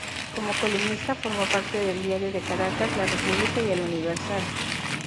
Como columnista, formó parte de "El Diario de Caracas", "La República" y "El Universal".